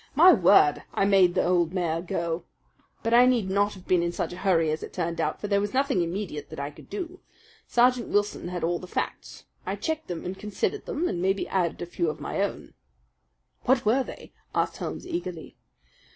My word! I made the old mare go! But I need not have been in such a hurry, as it turned out; for there was nothing immediate that I could do. Sergeant Wilson had all the facts. I checked them and considered them and maybe added a few of my own." "What were they?" asked Holmes eagerly.